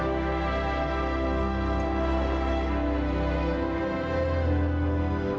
ในวันที่สุดของบาปเกษตร